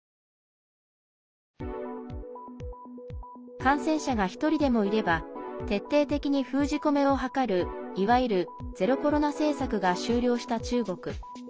感染者が１人でもいれば徹底的に封じ込めを図るいわゆる、ゼロコロナ政策が終了した中国。